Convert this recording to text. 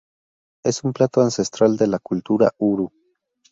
Es un plato ancestral de la cultura "Uru".